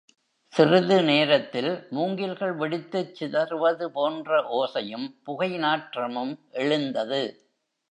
சிறிது நேரத்தில் மூங்கில்கள் வெடித்துச் சிதறுவது போன்ற ஓசையும், புகைநாற்றமும் எழுந்தது.